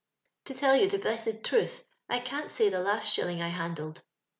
" To tell you the blessed truth, I can't say the last shilling I handled."